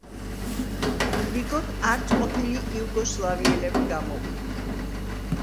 ურიგოდ არც ყოფილი იუგოსლავიელები გამოვიდნენ.